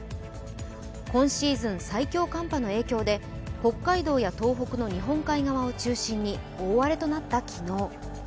今シーズン最強寒波の影響で北海道や東北の日本海側を中心に大荒れとなった昨日。